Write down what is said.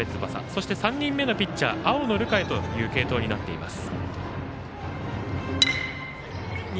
そして、３人目のピッチャー青野流果への継投になっています。